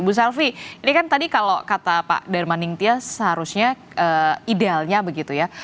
bu selvi ini kan tadi kalau kata pak darmaning tias seharusnya idealnya begitu ya